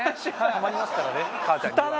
たまりますからね。